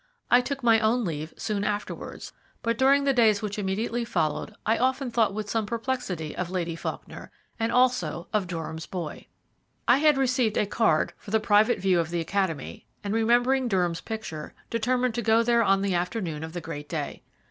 I took my own leave soon afterwards, but during the days which immediately followed I often thought with some perplexity of Lady Faulkner, and also of Durham's boy. I had received a card for the private view of the Academy, and remembering Durham's picture, determined to go there on the afternoon of the great day.